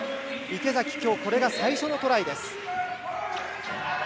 池崎、今日これが最初のトライ。